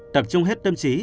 tập trung hết tâm trí